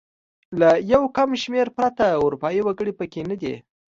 له یو کم شمېر پرته اروپايي وګړي پکې نه دي.